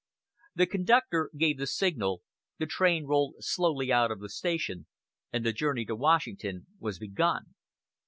The conductor gave the signal, the train rolled slowly out of the station, and the journey to Washington was begun.